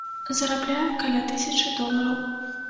Зарабляе каля тысячы долараў.